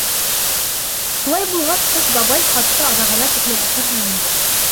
Шулай булғас, Ҡыш бабай, хатты аҙағына тиклем уҡырһың инде.